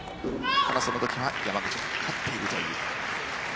そのときは山口が勝っているという。